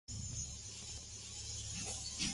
Por supuesto, es uno de sus objetivos.